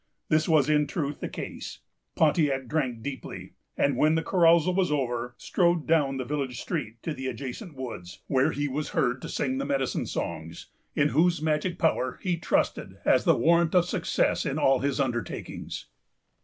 This was in truth the case. Pontiac drank deeply, and, when the carousal was over, strode down the village street to the adjacent woods, where he was heard to sing the medicine songs, in whose magic power he trusted as the warrant of success in all his undertakings.